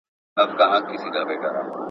نظافت د بدن بوی ښه کوي.